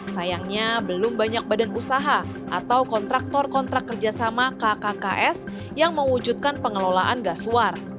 sayangnya belum banyak badan usaha atau kontraktor kontrak kerjasama kkks yang mewujudkan pengelolaan gas suar